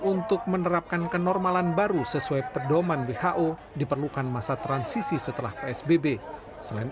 untuk menerapkan kenormalan baru sesuai pedoman who diperlukan masa transisi setelah psbb selain